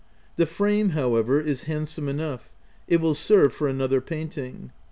The frame, however, is handsome enough; it will serve for another painting.